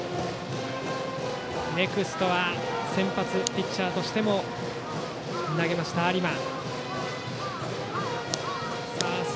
ネクストは先発ピッチャーとしても投げました有馬。